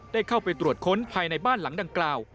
ได้เข้าไปตรวจค้นภายในบ้านหลังดังกล่าว